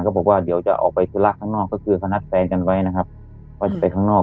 เขาบอกว่าเดี๋ยวจะออกไปสลักข้างนอกก็คือคณะแฟนกันไว้นะครับเขาจะไปข้างนอก